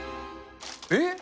えっ。